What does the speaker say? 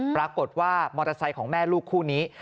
ปรากฏว่ามอเตอร์ไซค์ของแม่ลูกคู่นี้